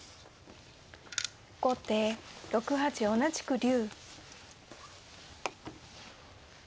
後手６八同じく竜。